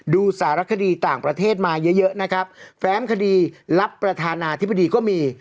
ดูสารคดีต่างประเทศมาเยอะเยอะนะครับแฟ้มคดีรับประธานาธิบดีก็มี